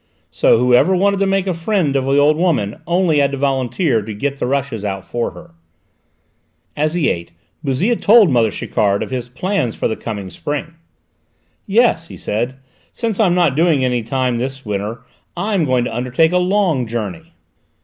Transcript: So whoever wanted to make a friend of the old woman only had to volunteer to get the rushes out for her. As he ate, Bouzille told mother Chiquard of his plans for the coming spring. "Yes," he said, "since I'm not doing any time this winter I'm going to undertake a long journey."